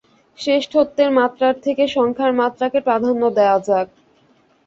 শ্রেষ্ঠত্বের মাত্রার থেকে সংখ্যার মাত্রাকে প্রাধান্য দেয়া যাক।